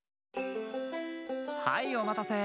はいおまたせ！